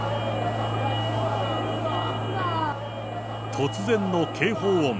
突然の警報音。